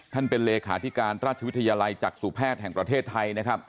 เป็นเลขาธิการราชวิทยาลัยจากสู่แพทย์แห่งประเทศไทยนะครับ